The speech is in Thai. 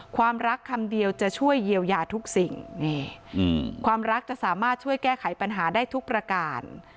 ความรักคำเดียวจะช่วยเยียวยาทุกสิ่งนี่ความรักจะสามารถช่วยแก้ไขปัญหาได้ทุกประการ